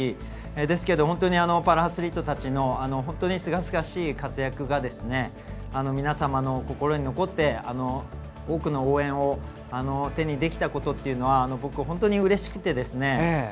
ですけど、パラアスリートたちの本当にすがすがしい活躍が皆様の心に残って、多くの応援を手にできたことというのは僕、本当にうれしくてですね